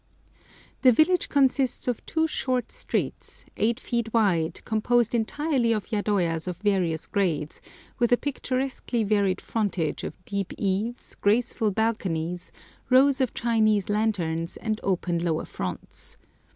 The village consists of two short streets, 8 feet wide composed entirely of yadoyas of various grades, with a picturesquely varied frontage of deep eaves, graceful balconies, rows of Chinese lanterns, and open lower fronts.